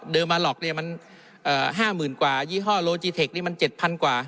มาล็อกเนี่ยมัน๕๐๐๐กว่ายี่ห้อโลจิเทคนี้มัน๗๐๐กว่า